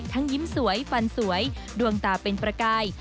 ยิ้มสวยฟันสวยดวงตาเป็นประกาย